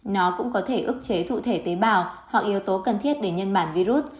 nó cũng có thể ức chế thủ thể tế bào hoặc yếu tố cần thiết để nhân bản virus